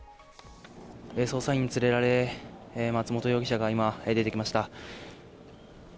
捜査員に連れられ松本容疑者が今、出てきました。